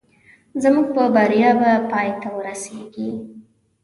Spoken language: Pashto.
زموږ په بریا به پای ته ورسېږي